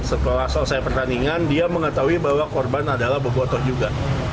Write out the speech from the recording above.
setelah selesai pertandingan dia mengetahui bahwa korban adalah bebotoh juga